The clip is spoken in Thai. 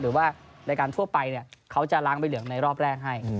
หรือว่ารายการทั่วไปเขาจะล้างใบเหลืองในรอบแรกให้